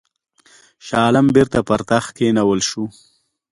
شاه عالم بیرته پر تخت کښېنول شوی دی.